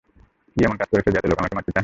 কি এমন কাজ করেছো যে, এত লোক তোমাকে মারতে চায়?